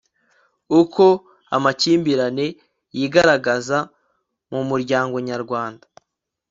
uko amakimbirane yigaragaza mu muryango nyarwanda